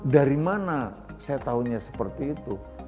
dari mana saya tahunya seperti itu